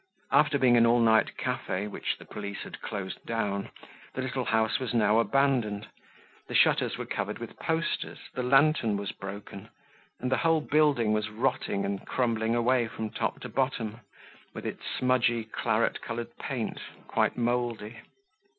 After being an all night cafe, which the police had closed down, the little house was now abandoned; the shutters were covered with posters, the lantern was broken, and the whole building was rotting and crumbling away from top to bottom, with its smudgy claret colored paint, quite moldy.